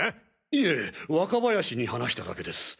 いえ若林に話しただけです。